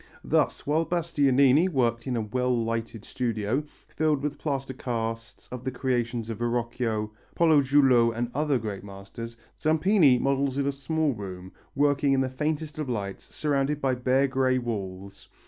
Thus while Bastianini worked in a well lighted studio, filled with plaster casts of the creations of Verrocchio, Pollajuolo and other great masters, Zampini models in a small room, working in the faintest of lights, surrounded by bare grey walls.